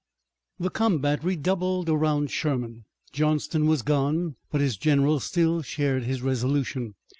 The combat redoubled around Sherman. Johnston was gone, but his generals still shared his resolution.